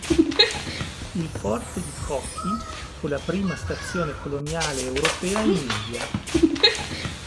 Il "Forte di Kochi" fu la prima stazione coloniale europea in India.